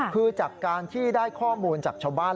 คือจากการที่ได้ข้อมูลจากชาวบ้าน